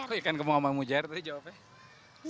kok ikan kembung sama mujair tadi jawabnya